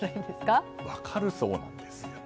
大体分かるそうなんです。